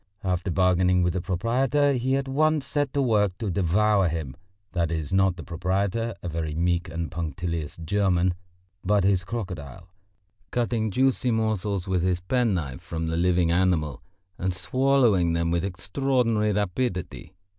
After bargaining with the proprietor he at once set to work to devour him (that is, not the proprietor, a very meek and punctilious German, but his crocodile), cutting juicy morsels with his penknife from the living animal, and swallowing them with extraordinary rapidity.